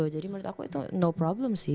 jadi menurut aku itu no problem sih